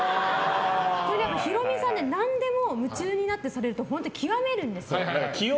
これ、ヒロミさんなんでも夢中になってされると本当に極めるんですよ。